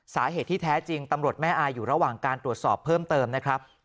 สาเหตุที่แท้จริงตำรวจแม่อายอยู่ระหว่างการตรวจสอบเพิ่มเติมนะครับ